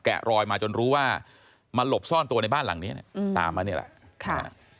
รอยมาจนรู้ว่ามาหลบซ่อนตัวในบ้านหลังนี้เนี่ยตามมานี่แหละค่ะ